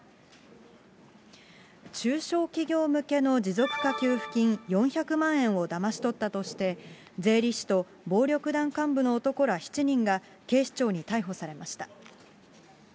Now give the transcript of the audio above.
中小企業向けの持続化給付金４００万円をだまし取ったとして、税理士と暴力団幹部の男ら７人が警視庁に逮捕されました。